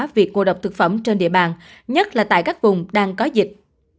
việc ngộ độc thực phẩm trên địa bàn nhất là tại các vùng đang có dịch